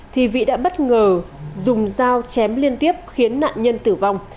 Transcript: thì vĩ đã bất ngờ dùng dao chém liên tiếp khiến nạn nhân tử vong